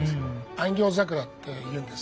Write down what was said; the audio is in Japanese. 「安行桜」っていうんです。